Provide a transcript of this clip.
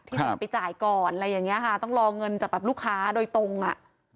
ไปจ่ายก่อนอะไรอย่างเงี้ค่ะต้องรอเงินจากแบบลูกค้าโดยตรงอ่ะ